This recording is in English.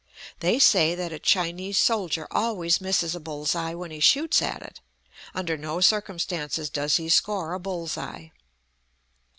They say that a Chinese soldier always misses a bull's eye when he shoots at it under no circumstances does he score a bull's eye.